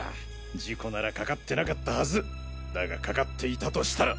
事故なら掛かってなかったはずだが掛かっていたとしたら。